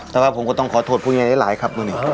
แล้วถ้าผมต้องขอโทษพูดมากนะ